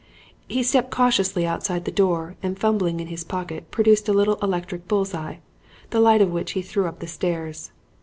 He stepped cautiously outside the door, and, fumbling in his pocket, produced a little electric bulls eye, the light of which he threw up the stairs.